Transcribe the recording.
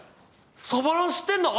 サバラン知ってんの？